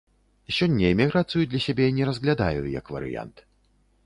Сёння эміграцыю для сябе не разглядаю як варыянт.